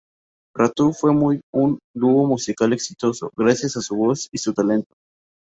Ratu fue muy un dúo musical exitoso, gracias a su voz y su talento.